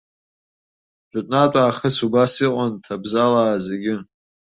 Жәытәнатә аахыс убас иҟан ҭабзалаа зегьы.